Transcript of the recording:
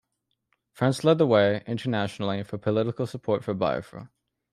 France led the way, internationally, for political support of Biafra.